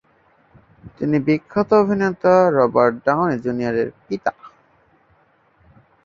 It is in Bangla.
তিনি বিখ্যাত অভিনেতা রবার্ট ডাউনি জুনিয়র এর পিতা।